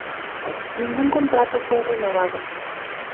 Ningún contrato fue renovado.